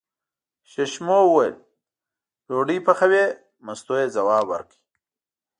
ششمو وویل: ډوډۍ پخوې، مستو یې ځواب ورکړ.